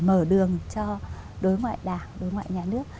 mở đường cho đối ngoại đảng đối ngoại nhà nước